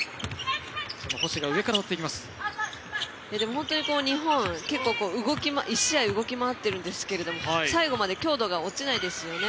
本当に日本、結構１試合動き回っているんですけど最後まで強度が落ちないですよね。